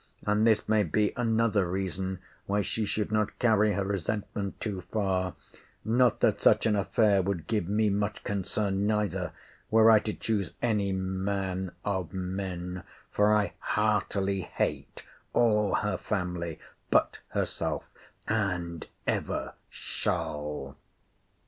And this may be another reason why she should not carry her resentment too far—not that such an affair would give me much concern neither, were I to choose any man of men, for I heartily hate all her family, but herself; and ever shall.